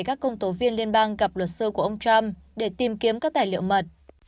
các công tố viên liên bang gặp luật sư của ông trump để tìm kiếm các tài liệu mật